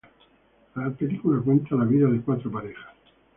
La película cuenta la vida de cuatro parejas.